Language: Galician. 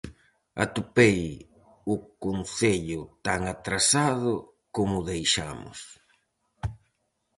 Atopei o concello tan atrasado como o deixamos.